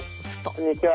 こんにちは。